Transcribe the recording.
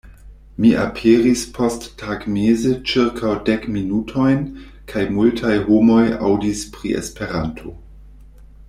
Mi aperis posttagmeze ĉirkaŭ dek minutojn, kaj multaj homoj aŭdis pri Esperanto.